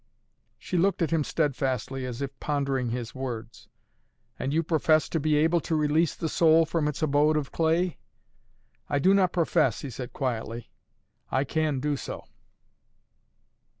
She looked at him steadfastly as if pondering his words. "And you profess to be able to release the soul from its abode of clay?" "I do not profess," he said quietly. "I can do so!"